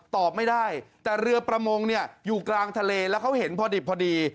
ตอบไม่ได้แต่เรือประมงอยู่กลางทะเลแล้วเขาเห็นพอดี